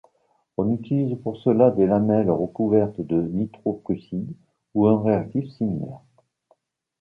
On utilise pour cela des lamelles recouvertes de nitroprusside ou un réactif similaire.